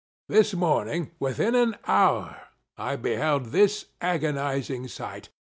This morning, within an hour, I beheld this agonising sight.